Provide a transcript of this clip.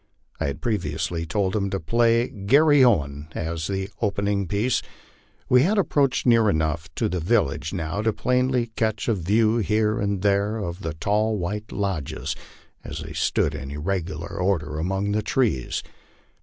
I had previously told him to play "Garry Owen" as the opening piece. We had approached near enough to the village now to plainly catch a view here and there of the tall white lodges as they stood in irregular order among the trees.